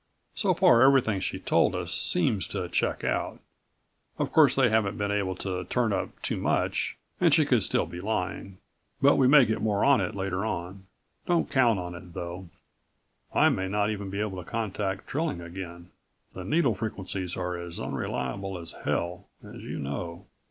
So far everything she told us seems to check out. Of course, they haven't been able to turn up too much, and she could still be lying. But we may get more on it later on. Don't count on it, though. I may not even be able to contact Trilling again. The needle frequencies are as unreliable as hell, as you know."